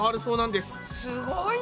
すごいね！